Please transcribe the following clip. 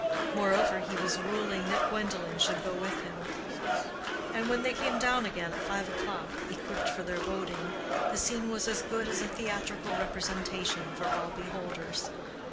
Moreover, he was ruling that Gwendolen should go with him. And when they came down again at five o'clock, equipped for their boating, the scene was as good as a theatrical representation for all beholders.